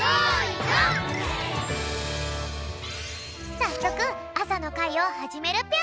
さっそくあさのかいをはじめるぴょん！